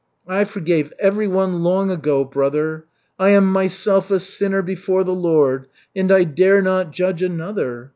"I forgave everyone long ago, brother. I am myself a sinner before the Lord and I dare not judge another.